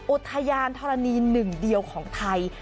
อุทยานธรณีหนึ่งเดียวของไทย